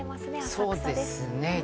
そうですね。